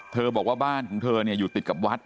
เธอบอกว่าบ้านของเธอเนี่ยอยู่ติดกับวัด